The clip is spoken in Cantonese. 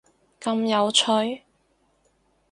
咁有趣？！